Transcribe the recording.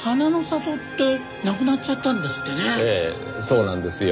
ええそうなんですよ。